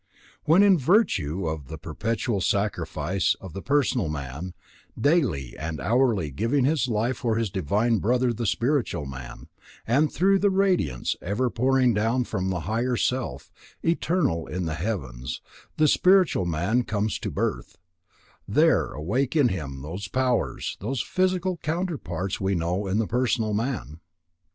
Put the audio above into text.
When, in virtue of the perpetual sacrifice of the personal man, daily and hourly giving his life for his divine brother the spiritual man, and through the radiance ever pouring down from the Higher Self, eternal in the Heavens, the spiritual man comes to birth, there awake in him those powers whose physical counterparts we know in the personal man.